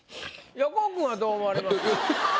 横尾くんはどう思われますか？